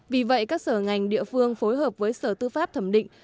vì vậy các sở ngành địa phương phối hợp với sở tư pháp thẩm định